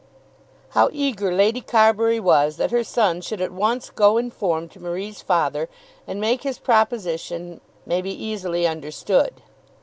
How eager Lady Carbury was that her son should at once go in form to Marie's father and make his proposition may be easily understood.